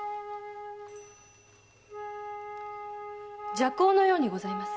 麝香のようにございます。